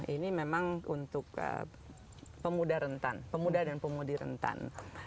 ini memang untuk pemuda rentan pemuda dan pemudi rentan